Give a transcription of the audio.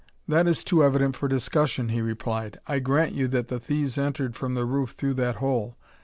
"That is too evident for discussion," he replied. "I grant you that the thieves entered from the roof through that hole.